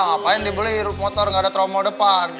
ngapain dibeli motor nggak ada tromol depan